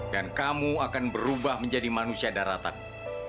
dan kamu akan berubah menjadi manusia daratamu